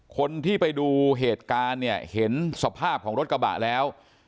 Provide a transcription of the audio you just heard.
คนที่ไปดูเหตุการณ์เนี่ยเห็นสภาพของรถกระบะแล้ว